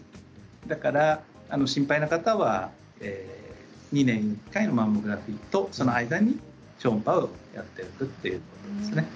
だから心配な方は年に１回のマンモグラフィーとその間に超音波をやっていくということですね。